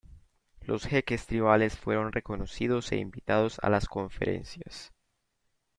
Los Jeques tribales fueron reconocidos e invitados a las conferencias.